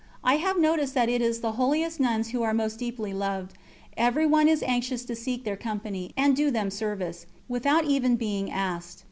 I have noticed that it is the holiest nuns who are most deeply loved; everyone is anxious to seek their company, and do them service, without even being asked.